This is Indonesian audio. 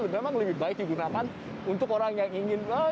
memang lebih baik digunakan untuk orang yang ingin